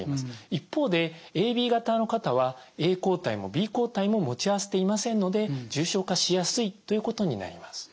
一方でＡＢ型の方はＡ抗体もＢ抗体も持ち合わせていませんので重症化しやすいということになります。